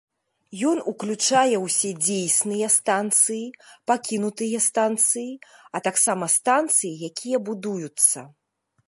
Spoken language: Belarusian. Ён ўключае ўсе дзейсныя станцыі, пакінутыя станцыі, а таксама станцыі, якія будуюцца.